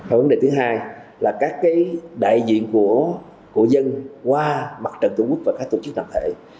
vấn đề thứ hai là các đại diện của dân qua mặt trận tổ quốc và các tổ chức đặc thể